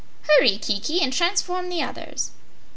"Hurry, Kiki, and transform the others."